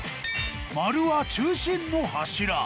丸は中心の柱。